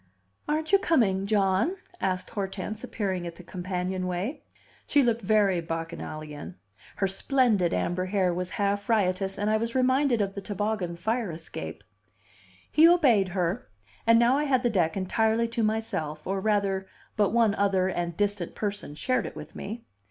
"Aren't you coming, John?" asked Hortense, appearing at the companionway. She looked very bacchanalian. Her splendid amber hair was half riotous, and I was reminded of the toboggan fire escape. He obeyed her; and now I had the deck entirely to myself, or, rather, but one other and distant person shared it with me.